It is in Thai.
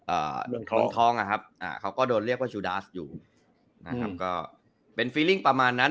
ท้องท้องอ่ะครับอ่าเขาก็โดนเรียกว่าจูดาสอยู่นะครับก็เป็นฟีลิ่งประมาณนั้น